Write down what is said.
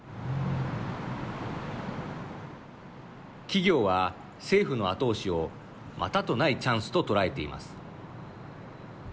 企業は、政府の後押しをまたとないチャンスと捉えています。